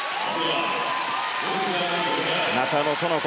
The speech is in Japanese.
中野園子